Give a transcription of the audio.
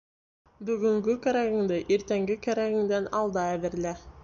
Бөгөнгө кәрәгеңде иртәнге кәрәгеңдән алда әҙерлә.